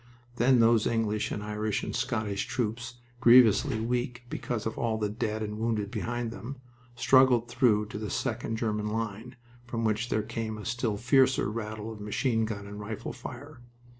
Then those English and Irish and Scottish troops, grievously weak because of all the dead and wounded behind them, struggled through to the second German line, from which there came a still fiercer rattle of machine gun and rifle fire.